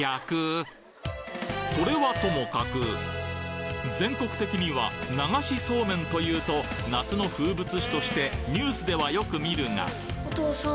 それはともかく全国的には流しそうめんというと夏の風物詩としてニュースではよく見るがお父さん。